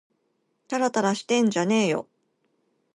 たらたらしてんじゃねぇよ